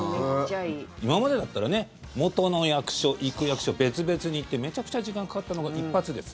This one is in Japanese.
今までだったらね元の役所、行く役所別々に行ってめちゃくちゃ時間かかったのが一発です。